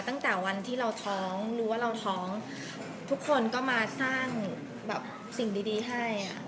ตั้งแต่วันที่เราท้องรู้ว่าเราท้องทุกคนก็มาสร้างแบบสิ่งดีให้